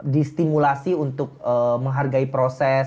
distimulasi untuk menghargai proses